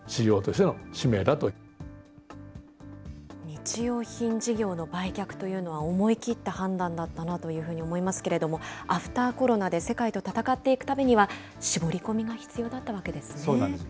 日用品事業の売却というのは、思い切った判断だったなというふうに思いますけれども、アフターコロナで世界と戦っていくためには、絞り込みが必要だっそうなんです。